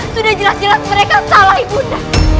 sudah jelas jelas mereka salah ibu nda